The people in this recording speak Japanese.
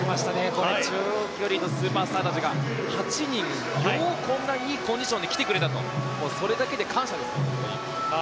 この長距離のスーパースターたちが８人よくこんないいコンディションで来てくれたとそれだけで感謝ですね、本当に。